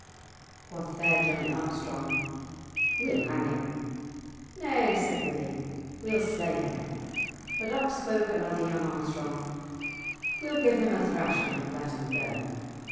Quoth fair Johnie Armstrong, "We'll hang him." "Nay," said Willie, "we'll slay him." But up spoke another young Armstrong, "We'll give him a thrashing and let him go."